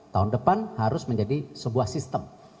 tahun depan harus menjadi sebuah sistem